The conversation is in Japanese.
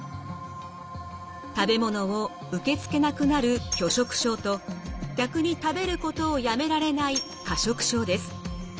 食べ物を受け付けなくなる拒食症と逆に食べることをやめられない過食症です。